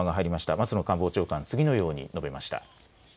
松野官房長官、次のように述べました。